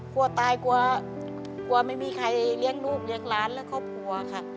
กลัวตายกลัวกลัวไม่มีใครเลี้ยงลูกเลี้ยงหลานและครอบครัวค่ะ